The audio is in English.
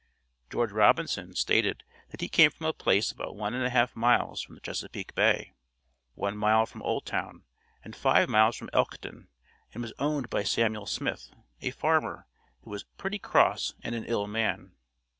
George Robinson stated that he came from a place about one and a half miles from the Chesapeake Bay, one mile from Old town, and five miles from Elkton, and was owned by Samuel Smith, a farmer, who was "pretty cross and an ill man."